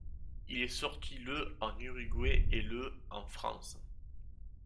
Il est sorti le en Uruguay et le en France.